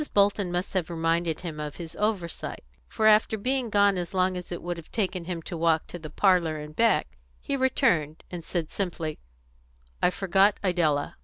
Bolton must have reminded him of his oversight, for after being gone so long as it would have taken him to walk to her parlour and back, he returned, and said simply, "I forgot Idella."